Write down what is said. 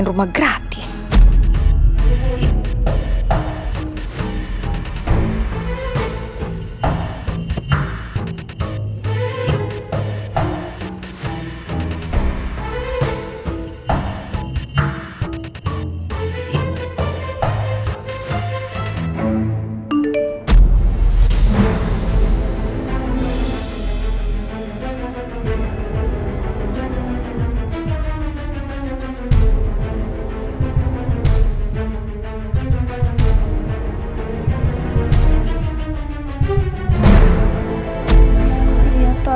aku dapet banyak yang mau bantu aku